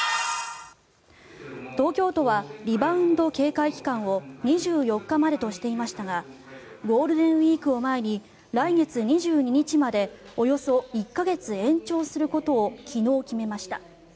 東京都はリバウンド警戒期間を２４日までとしていましたがゴールデンウィークを前に来月２２日までおよそ１か月延長することを昨日、決めました。